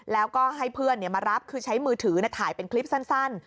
แล้วก็ให้เพื่อนมารับคือใช้มือถือถ่ายเป็นคลิปสั้น